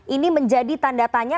ini menjadi tanda tanya